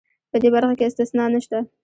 په دې برخه کې استثنا نشته.